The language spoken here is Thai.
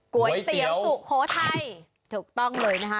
ก๋วยเตี๋ยวสุโขทัยถูกต้องเลยนะคะ